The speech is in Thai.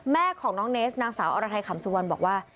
แม่ของน้องเนสนางสาวอรไทยขำสุวรรณบอกว่า